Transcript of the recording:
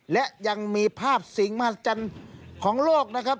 และยังมีภาพสิงห์มหัศจรรย์ของโลกนะครับ